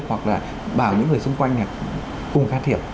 hoặc là bảo những người xung quanh cùng khát thiệp